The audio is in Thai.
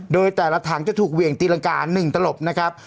โดยแต่ละถังจะถูกเหวี่ยงตีรังกา๑ตลบนะครับ